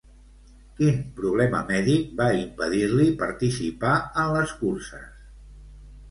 Quin problema mèdic va impedir-li participar en les curses?